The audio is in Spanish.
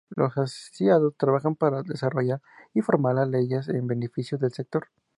Los asociados trabajan para desarrollar y reformar las leyes en beneficio del sector.